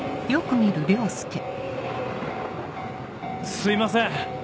すいません。